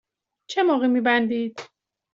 چه موقع می بندید؟